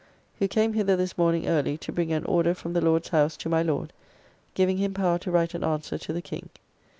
] who came hither this morning early to bring an order from the Lords' House to my Lord, giving him power to write an answer to the King.